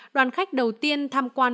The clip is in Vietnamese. đoàn khách đầu tiên tham quan